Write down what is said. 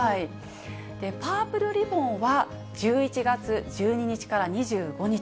パープルリボンは１１月１２日から２５日。